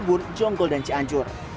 cibubur jonggol dan cianjur